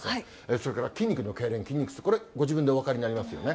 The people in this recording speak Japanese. それから筋肉のけいれん、筋肉痛、これ、ご自分でお分かりになりますよね。